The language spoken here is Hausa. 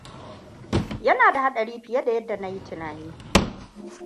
Yana da haɗari fiye da yadda na yi tunani.